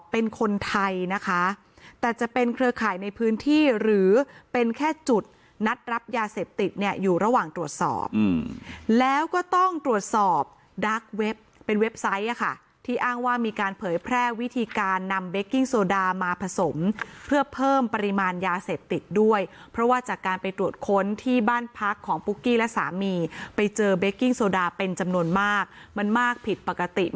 เป็นคนไทยนะคะแต่จะเป็นเครือข่ายในพื้นที่หรือเป็นแค่จุดนัดรับยาเสพติดเนี่ยอยู่ระหว่างตรวจสอบแล้วก็ต้องตรวจสอบดักเว็บเป็นเว็บไซต์อะค่ะที่อ้างว่ามีการเผยแพร่วิธีการนำเบกกิ้งโซดามาผสมเพื่อเพิ่มปริมาณยาเสพติดด้วยเพราะว่าจากการไปตรวจค้นที่บ้านพักของปุ๊กกี้และสามีไปเจอเบกกิ้งโซดาเป็นจำนวนมากมันมากผิดปกติ